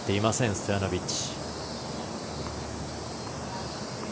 ストヤノビッチ。